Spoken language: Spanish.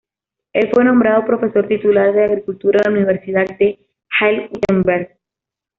El fue nombrado profesor titular de Agricultura en la Universidad de Halle-Wittenberg.